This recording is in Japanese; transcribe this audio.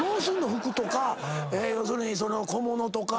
服とか要するに小物とかあるやんか。